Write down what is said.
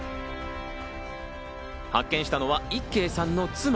発見したのは、いっけいさんの妻。